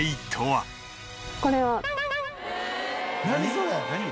それ。